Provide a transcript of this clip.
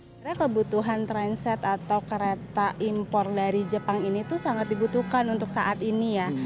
sebenarnya kebutuhan transit atau kereta impor dari jepang ini sangat dibutuhkan untuk saat ini ya